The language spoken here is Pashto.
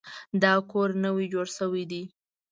دا کور نوی جوړ شوی دی